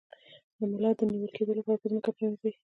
د ملا د نیول کیدو لپاره په ځمکه پریوځئ